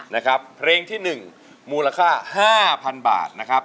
นะครับเพลงที่หนึ่งมูลค่าห้าพันบาทนะครับ